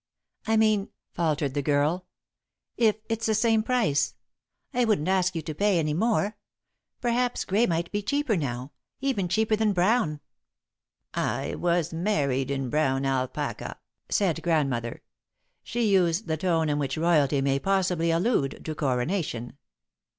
"I mean," faltered the girl, "if it's the same price. I wouldn't ask you to pay any more. Perhaps grey might be cheaper now even cheaper than brown!" "I was married in brown alpaca," said Grandmother. She used the tone in which royalty may possibly allude to coronation.